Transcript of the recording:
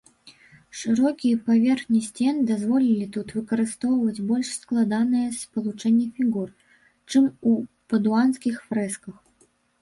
Шырокія паверхні сцен дазволілі тут выкарыстоўваць больш складаныя спалучэнні фігур, чым у падуанскіх фрэсках.